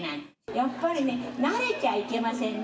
やっぱりね、慣れちゃいけませんね。